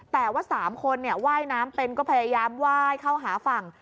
แต่ว่า๓คนว่ายน้ำเป็นก็พยายามไหว้เข้าหาฝั่ง